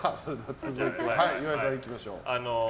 続いて、岩井さんいきましょう。